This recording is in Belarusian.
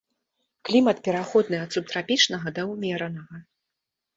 Клімат пераходны ад субтрапічнага да ўмеранага.